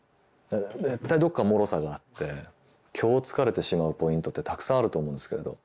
絶対どこかもろさがあって虚をつかれてしまうポイントってたくさんあると思うんですけれど。